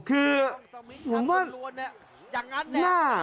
คือหน้า